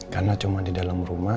karena cuma di dalam rumah